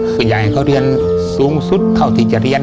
ก็อยอย่าให้เขาเรียนสูงสุดเท่าที่จะเรียน